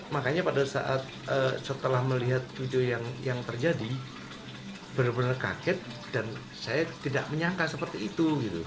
makanya pada saat setelah melihat video yang terjadi benar benar kaget dan saya tidak menyangka seperti itu